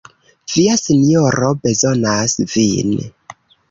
Via sinjoro bezonas vin!